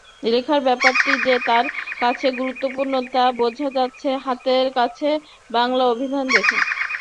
লেখার ব্যাপারটি যে তার কাছে গুরুত্বপূর্ণ তা বোঝা যাচ্ছে হাতের কাছে বাংলা অভিধান দেখে।